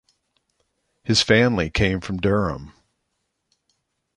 His family came from Durham.